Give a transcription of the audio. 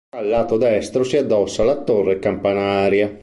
Al lato destro si addossa la torre campanaria.